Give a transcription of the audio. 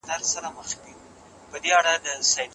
سایبري امنیت د خلکو شخصي معلومات خوندي ساتي.